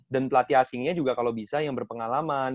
dan pelatih asingnya juga kalau bisa yang berpengalaman